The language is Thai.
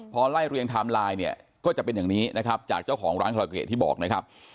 พอไล่เรียงไทม์ไลน์เนี่ยก็จะเป็นอย่างนี้นะครับจากเจ้าของร้านคาราเกะที่บอกนะครับ